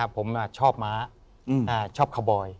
ผมชอบม้าชอบคาร์บอย